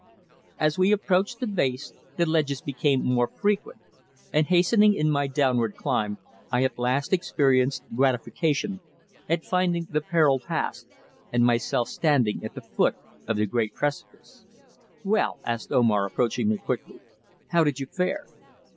As we approached the base the ledges became more frequent, and hastening in my downward climb I at last experienced gratification at finding the peril past, and myself standing at the foot of the great precipice. "Well?" asked Omar, approaching me quickly. "How did you fare?"